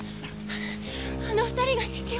あの２人が父を！